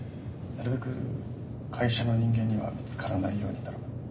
なるべく会社の人間には見つからないように頼む。